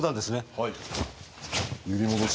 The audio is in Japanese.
はい。